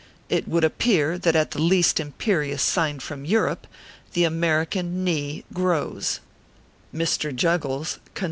It would appear that at the least imperious sign from Europe, the American knee grows Mr. JUGGLES (con.